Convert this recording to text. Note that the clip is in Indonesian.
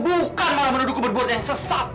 bukan malah menuduhku berbuat yang sesat